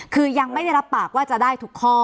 คือยังไม่ได้รับปากว่าจะได้ทุกข้อ